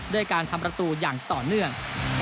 ด้วยการทำประตูอย่างต่อเนื่อง